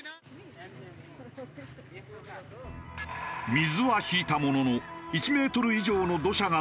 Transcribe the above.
水は引いたものの１メートル以上の土砂が残ったまま。